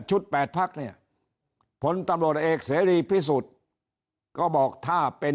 ชุดแปดพักเนี่ยผลตำรวจเอกเศรษฐรีพิสุตก็บอกถ้าเป็น